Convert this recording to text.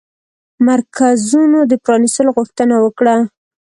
مرکزونو د پرانيستلو غوښتنه وکړه